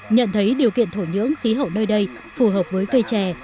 nhận thấy điều kiện thổ nhưỡng khí hậu nơi đây phù hợp với cây trè